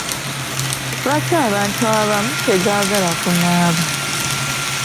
Lwaki abantu abamu tegaagala kunaaba.